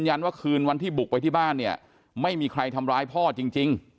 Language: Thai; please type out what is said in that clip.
เหมือนกับเป็นแคปแผ่นแค่รู้สื้อขายกัน